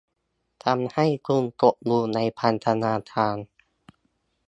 ทำให้คุณตกอยู่ในพันธนาการ